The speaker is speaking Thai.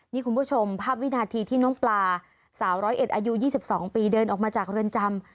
นี่คุณผู้ชมภาพวินาทีที่น้องปลาสาวร้อยเอ็ดอายุ๒๒ปีเดินออกมาจากเรือนจำ